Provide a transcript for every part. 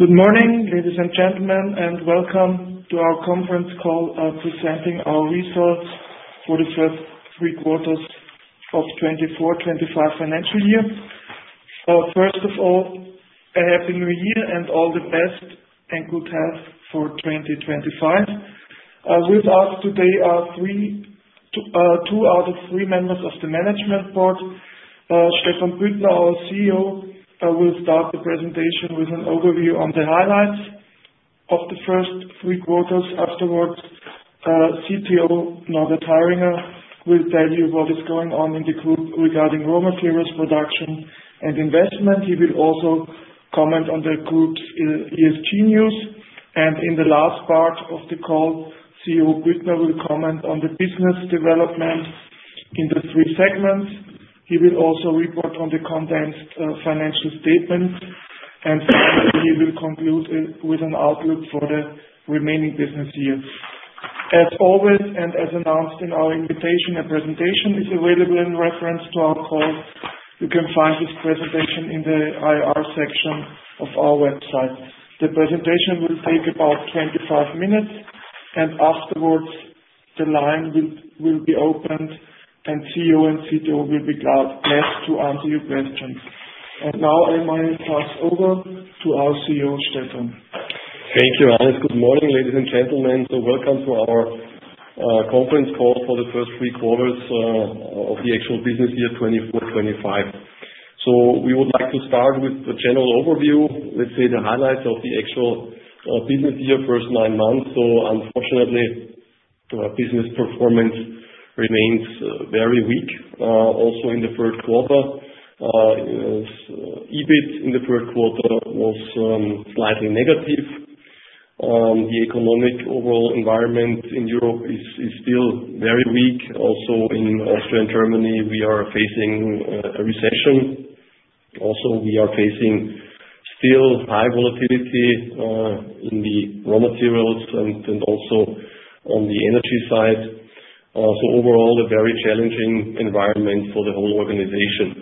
Good morning, ladies and gentlemen, and welcome to our conference call presenting our results for the first three quarters of the 2024-2025 financial year. First of all, a Happy New Year and all the best and good health for 2025. With us today are two out of three members of the management board, Stephan Büttner, our CEO. We'll start the presentation with an overview on the highlights of the first three quarters. Afterwards, CTO Norbert Harringer will tell you what is going on in the group regarding raw materials production and investment. He will also comment on the group's ESG news. And in the last part of the call, CEO Büttner will comment on the business development in the three segments. He will also report on the consolidated financial statements. And finally, he will conclude with an outlook for the remaining business year. As always, and as announced in our invitation, a presentation is available in reference to our call. You can find this presentation in the IR section of our website. The presentation will take about 25 minutes. And afterwards, the line will be opened, and CEO and CTO will be glad to answer your questions. And now, I might pass over to our CEO, Stephan. Thank you, Hannes. Good morning, ladies and gentlemen. Welcome to our conference call for the first three quarters of the actual business year 2024-2025. We would like to start with a general overview, let's say the highlights of the actual business year, first nine months. Unfortunately, business performance remains very weak. Also in the third quarter, EBIT in the third quarter was slightly negative. The economic overall environment in Europe is still very weak. Also in Austria and Germany, we are facing a recession. Also, we are facing still high volatility in the raw materials and also on the energy side. Overall, a very challenging environment for the whole organization.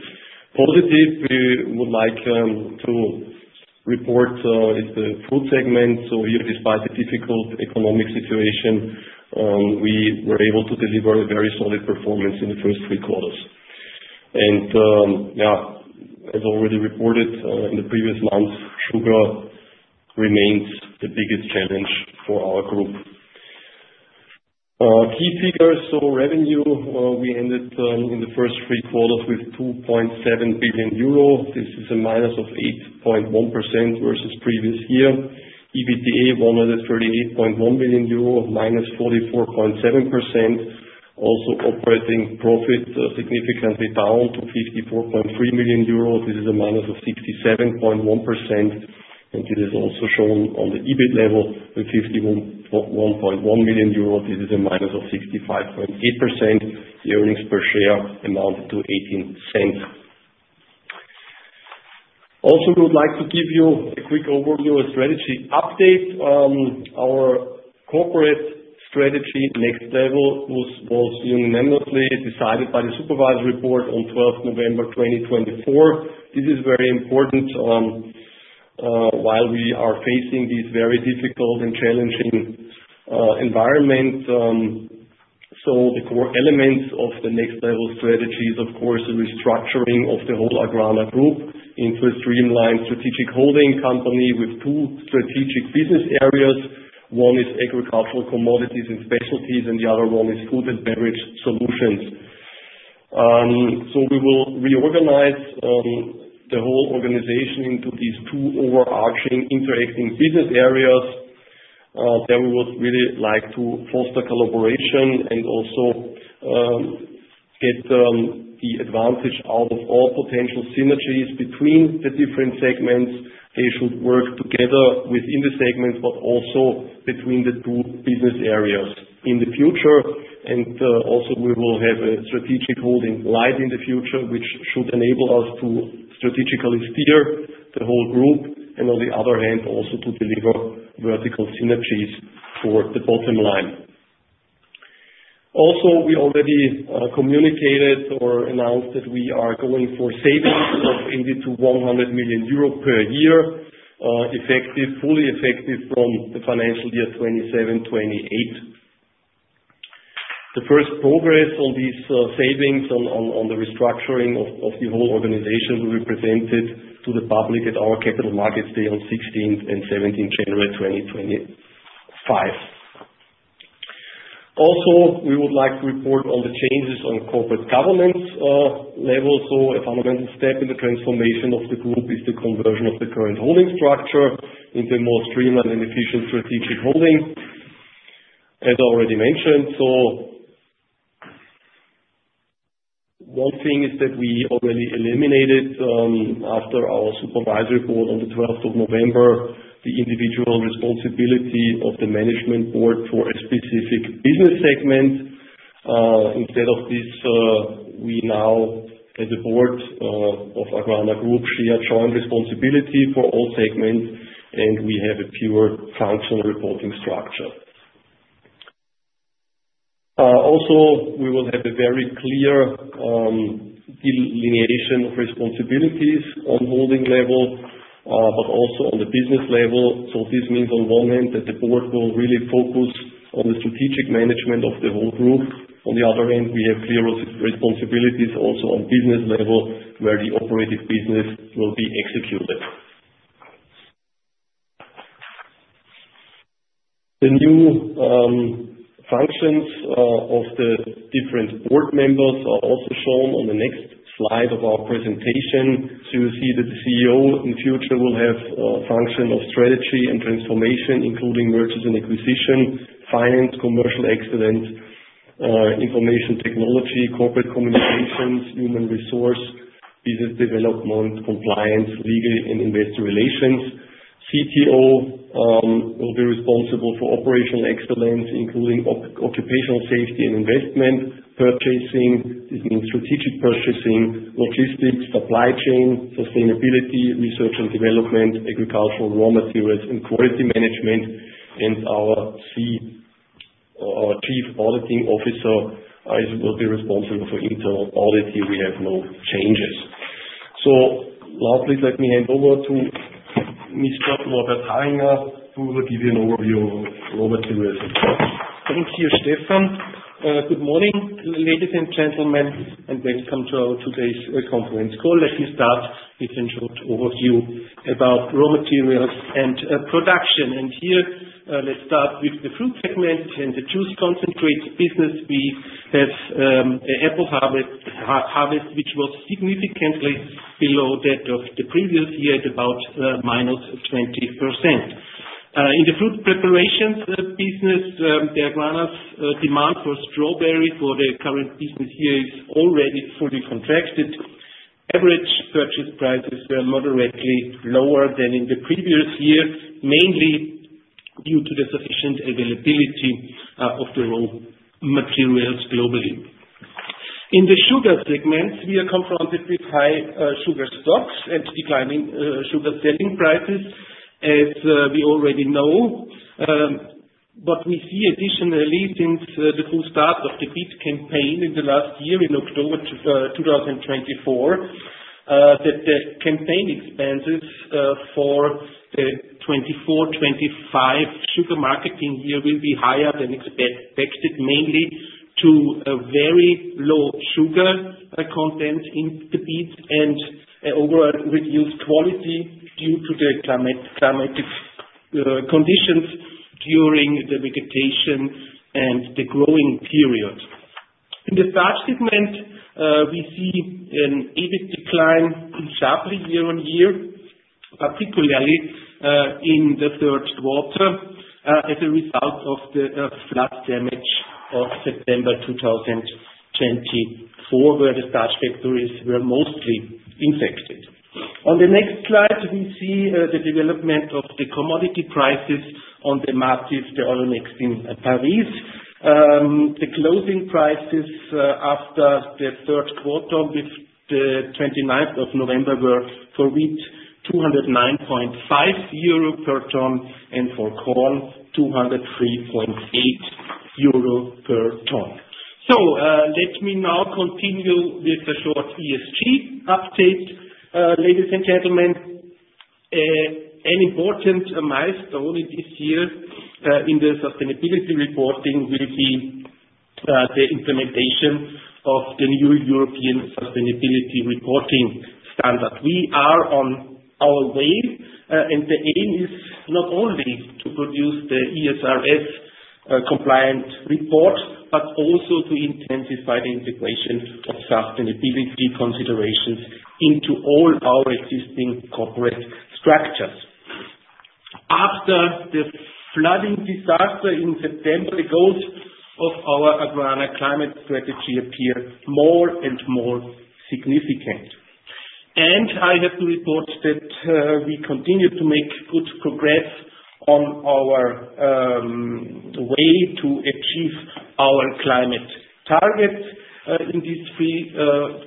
Positive we would like to report is the Fruit segment. Here, despite the difficult economic situation, we were able to deliver a very solid performance in the first three quarters. Yeah, as already reported in the previous months, sugar remains the biggest challenge for our group. Key figures, so revenue, we ended in the first three quarters with 2.7 billion euro. This is a minus of 8.1% versus previous year. EBITDA 138.1 million euro, minus 44.7%. Also, operating profit significantly down to 54.3 million euros. This is a minus of 67.1%. And it is also shown on the EBIT level with 51.1 million euros. This is a minus of 65.8%. The earnings per share amounted to 0.18. Also, we would like to give you a quick overview of strategy update. Our corporate strategy Next Level was unanimously decided by the Supervisory Board on 12th November 2024. This is very important while we are facing this very difficult and challenging environment. So the core elements of the Next Level strategy is, of course, the restructuring of the whole AGRANA group into a streamlined strategic holding company with two strategic business areas. One is agricultural commodities and specialties, and the other one is food and beverage solutions. So we will reorganize the whole organization into these two overarching interacting business areas. There we would really like to foster collaboration and also get the advantage out of all potential synergies between the different segments. They should work together within the segments, but also between the two business areas in the future. And also, we will have a strategic holding line in the future, which should enable us to strategically steer the whole group and, on the other hand, also to deliver vertical synergies for the bottom line. Also, we already communicated or announced that we are going for savings of 80 million-100 million euro per year, fully effective from the financial year 2027-2028. The first progress on these savings on the restructuring of the whole organization will be presented to the public at our Capital Markets Day on 16th and 17th January 2025. Also, we would like to report on the changes on corporate governance level. So a fundamental step in the transformation of the group is the conversion of the current holding structure into a more streamlined and efficient strategic holding. As I already mentioned, so one thing is that we already eliminated after our supervisory report on the 12th of November, the individual responsibility of the management board for a specific business segment. Instead of this, we now, as a board of AGRANA Group, share joint responsibility for all segments, and we have a pure functional reporting structure. Also, we will have a very clear delineation of responsibilities on holding level, but also on the business level. So this means, on one hand, that the board will really focus on the strategic management of the whole group. On the other hand, we have clear responsibilities also on business level where the operating business will be executed. The new functions of the different board members are also shown on the next slide of our presentation. So you see that the CEO in the future will have a function of strategy and transformation, including mergers and acquisitions, finance, commercial excellence, information technology, corporate communications, human resource, business development, compliance, legal, and investor relations. CTO will be responsible for operational excellence, including occupational safety and investment, purchasing. This means strategic purchasing, logistics, supply chain, sustainability, research and development, agricultural raw materials, and quality management. And our Chief Auditing Officer will be responsible for internal audit. We have no changes. So lastly, let me hand over to Mr. Norbert Harringer, who will give you an overview of Norbert's report. Thank you, Stephan. Good morning, ladies and gentlemen, and welcome to our today's conference call. Let me start with a short overview about raw materials and production. And here, let's start with the food segment and the juice concentrate business. We have an apple harvest, which was significantly below that of the previous year, about minus 20%. In the fruit preparations business, the AGRANA's demand for strawberry for the current business year is already fully contracted. Average purchase prices were moderately lower than in the previous year, mainly due to the sufficient availability of the raw materials globally. In the sugar segment, we are confronted with high sugar stocks and declining sugar selling prices, as we already know. But we see additionally, since the full start of the beet campaign in the last year, in October 2024, that the campaign expenses for the 2024-2025 sugar marketing year will be higher than expected, mainly due to very low sugar content in the beet and overall reduced quality due to the climatic conditions during the vegetation and the growing period. In the starch segment, we see an EBIT decline sharply year on year, particularly in the third quarter as a result of the flood damage of September 2024, where the starch factories were mostly affected. On the next slide, we see the development of the commodity prices on the MATIF, the exchange in Paris. The closing prices after the third quarter with the 29th of November were for wheat 209.5 euro per ton and for corn 203.8 euro per ton. Let me now continue with a short ESG update, ladies and gentlemen. An important milestone this year in the sustainability reporting will be the implementation of the new European Sustainability Reporting Standard. We are on our way, and the aim is not only to produce the ESRS-compliant report, but also to intensify the integration of sustainability considerations into all our existing corporate structures. After the flooding disaster in September, the goals of our AGRANA climate strategy appear more and more significant. I have to report that we continue to make good progress on our way to achieve our climate target in these three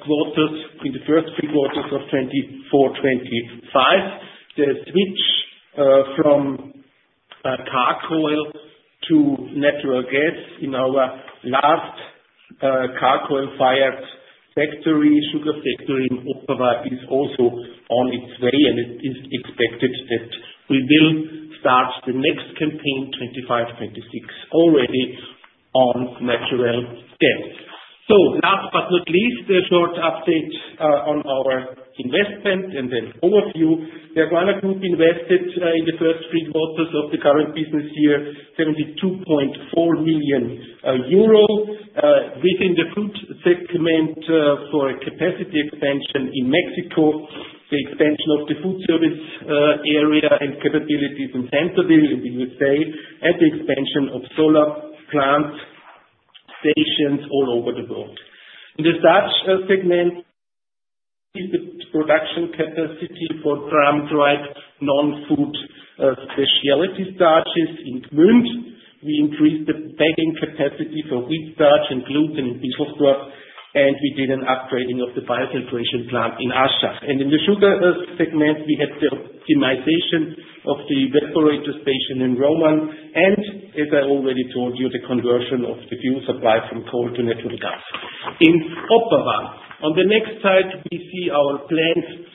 quarters, in the first three quarters of 2024-2025. The switch from coal to natural gas in our last coal-fired factory, sugar factory in Opava, is also on its way, and it is expected that we will start the next campaign 2025-2026 already on natural gas. Last but not least, a short update on our investment and then overview. The AGRANA Group invested in the first three quarters of the current business year 72.4 million euro. Within the food segment for capacity expansion in Mexico, the expansion of the food service area and capabilities in Centerville, in the USA, and the expansion of solar plant stations all over the world. In the starch segment, the production capacity for dry non-food specialty starches in Gmünd. We increased the bagging capacity for wheat starch and gluten in Pischelsdorf, and we did an upgrading of the biofiltration plant in Aschach. In the sugar segment, we had the optimization of the evaporator station in Roman. And as I already told you, the conversion of the fuel supply from coal to natural gas in Opava. On the next slide, we see our plans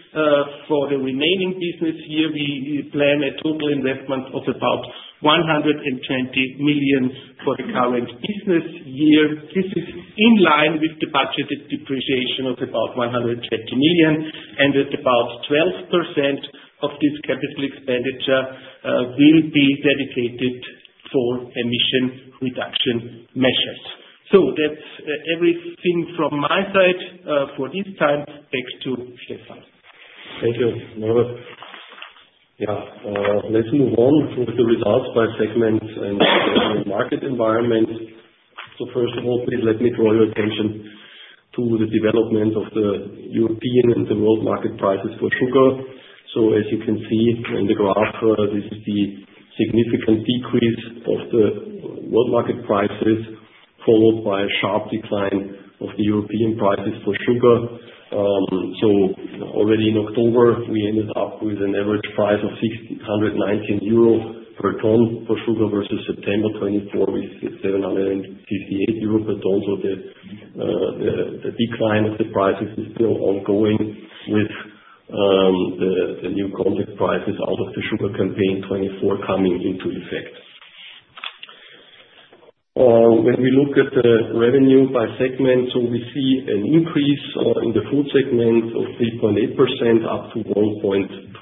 for the remaining business year. We plan a total investment of about 120 million for the current business year. This is in line with the budgeted depreciation of about 120 million, and that about 12% of this capital expenditure will be dedicated for emission reduction measures. So that's everything from my side for this time. Back to Stephan. Thank you, Norbert. Yeah, let's move on to the results by segment and market environment. So first of all, please let me draw your attention to the development of the European and the world market prices for sugar. So as you can see in the graph, this is the significant decrease of the world market prices, followed by a sharp decline of the European prices for sugar. So already in October, we ended up with an average price of 619 euro per ton for sugar versus September 2024 with 758 euro per ton. So the decline of the prices is still ongoing with the new contract prices out of the sugar campaign 2024 coming into effect. When we look at the revenue by segment, so we see an increase in the food segment of 3.8% up to 1.22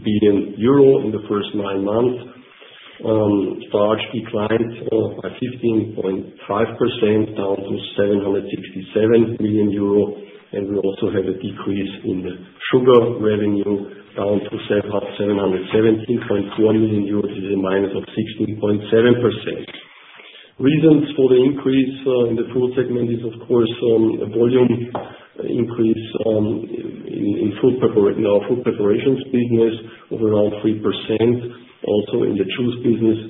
billion euro in the first nine months. Starch declined by 15.5% down to 767 million euro. We also have a decrease in the sugar revenue down to 717.4 million. This is a minus of 16.7%. Reasons for the increase in the food segment is, of course, a volume increase in our fruit preparations business of around 3%. Also in the juice business,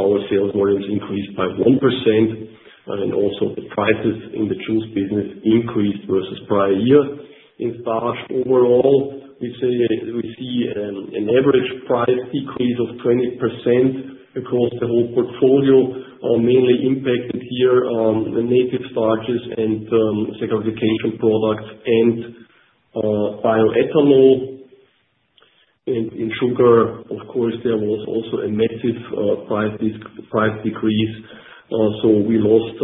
our sales volumes increased by 1%, and also the prices in the juice business increased versus prior year in starch. Overall, we see an average price decrease of 20% across the whole portfolio. Mainly impacted here are the native starches and saccharification products and bioethanol. And in sugar, of course, there was also a massive price decrease. So we lost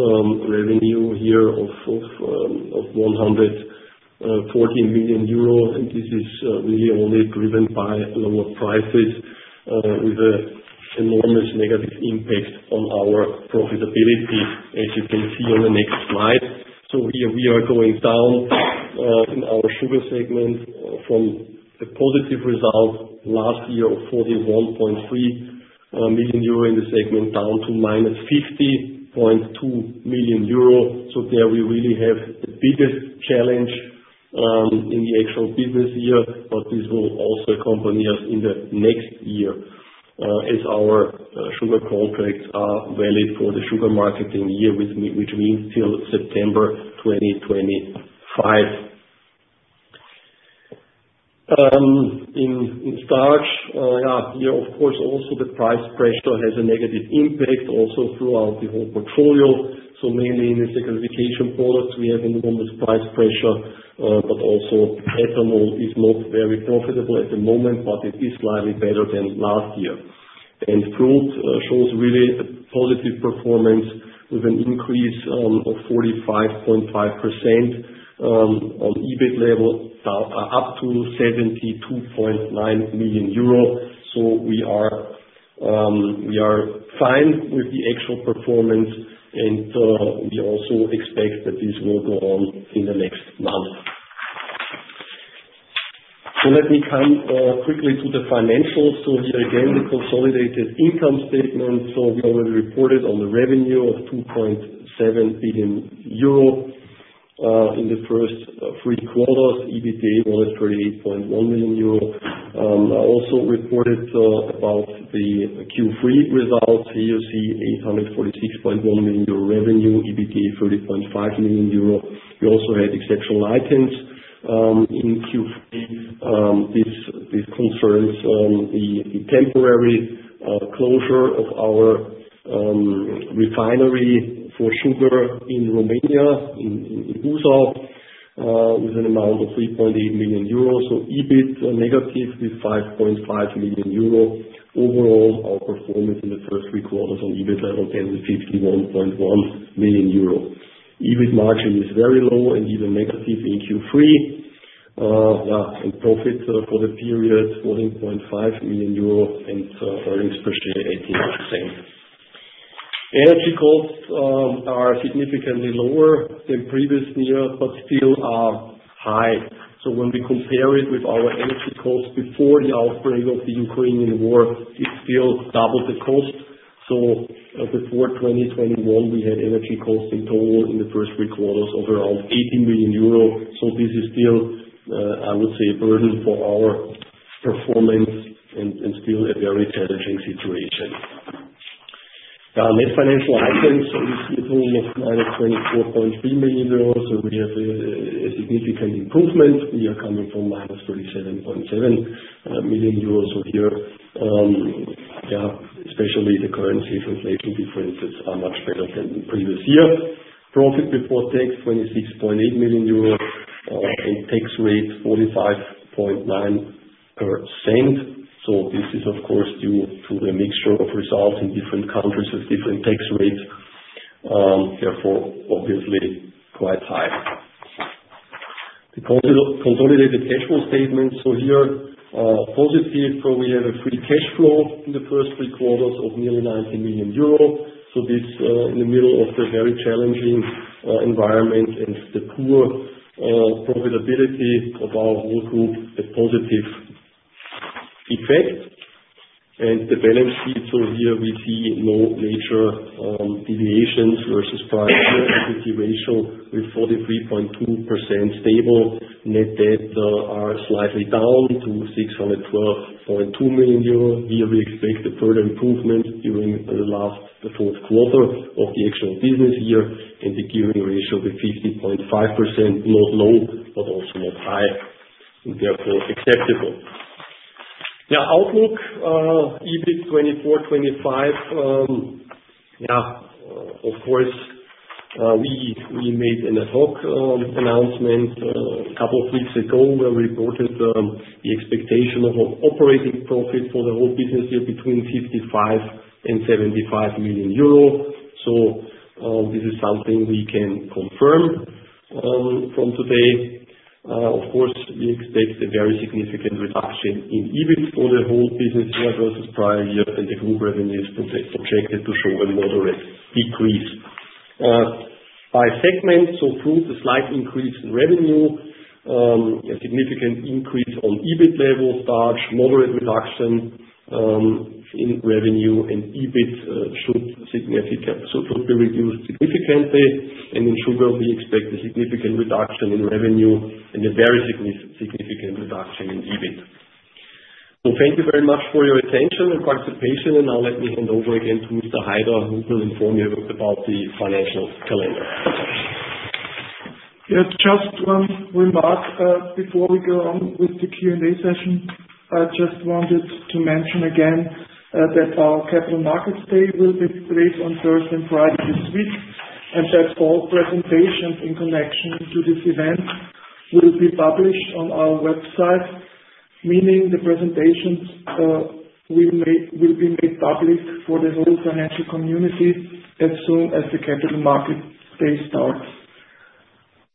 revenue here of 140 million euro, and this is really only driven by lower prices with an enormous negative impact on our profitability, as you can see on the next slide. So here we are going down in our sugar segment from a positive result last year of 41.3 million euro in the segment down to 50.2 million euro. So there we really have the biggest challenge in the actual business year, but this will also accompany us in the next year as our sugar contracts are valid for the sugar marketing year, which means till September 2025. In starch, yeah, here, of course, also the price pressure has a negative impact also throughout the whole portfolio. So mainly in the saccharification products, we have enormous price pressure, but also ethanol is not very profitable at the moment, but it is slightly better than last year. And fruit shows really a positive performance with an increase of 45.5% on EBIT level up to 72.9 million euro. So we are fine with the actual performance, and we also expect that this will go on in the next month. So let me come quickly to the financials. So here again, the consolidated income statement. So we already reported on the revenue of 2.7 billion euro in the first three quarters. EBITDA was 38.1 million euro. I also reported about the Q3 results. Here you see 846.1 million euro revenue, EBITDA 30.5 million euro. We also had exceptional items in Q3. This concerns the temporary closure of our refinery for sugar in Romania in Buzău with an amount of 3.8 million euros. So EBIT negative with 5.5 million euro. Overall, our performance in the first three quarters on EBIT level ended 51.1 million euro. EBIT margin is very low and even negative in Q3. Yeah, and profit for the period 14.5 million euro and earnings per share 18 cents. Energy costs are significantly lower than previous year, but still are high. So when we compare it with our energy costs before the outbreak of the Ukrainian war, it's still double the cost. So before 2021, we had energy costs in total in the first three quarters of around 80 million euro. So this is still, I would say, a burden for our performance and still a very challenging situation. Now, net financial items, so we see a total of 24.3 million euros. So we have a significant improvement. We are coming from 27.7 million euros. So here, yeah, especially the currency translation differences are much better than previous year. Profit before tax 26.8 million euros and tax rate 45.9%. So this is, of course, due to the mixture of results in different countries with different tax rates. Therefore, obviously quite high. The consolidated cash flow statement, so here positive. We have a free cash flow in the first three quarters of nearly 90 million euro. So this in the middle of the very challenging environment and the poor profitability of our whole group, a positive effect. And the balance sheet, so here we see no major deviations versus prior year. Equity ratio with 43.2% stable. Net debt are slightly down to 612.2 million euro. Here we expect a further improvement during the last fourth quarter of the actual business year and the gearing ratio with 50.5%, not low, but also not high, and therefore acceptable. Yeah, outlook EBIT 2024/2025. Yeah, of course, we made an ad hoc announcement a couple of weeks ago where we reported the expectation of operating profit for the whole business year between 55 million and 75 million euro. So this is something we can confirm from today. Of course, we expect a very significant reduction in EBIT for the whole business year versus prior year, and the group revenue is projected to show a moderate decrease. By segment, so fruit, a slight increase in revenue, a significant increase on EBIT level, starch, moderate reduction in revenue, and EBIT should be reduced significantly, and in sugar, we expect a significant reduction in revenue and a very significant reduction in EBIT, so thank you very much for your attention and participation, and now let me hand over again to Mr. Harringer who will inform you about the financial calendar. Yeah, just one remark before we go on with the Q&A session. I just wanted to mention again that our Capital Markets Day will be released on Thursday and Friday this week, and that all presentations in connection to this event will be published on our website, meaning the presentations will be made public for the whole financial community as soon as the Capital Markets Day starts.